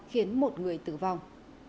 khiến một người tử vong